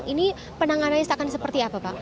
ini penanganannya akan seperti apa pak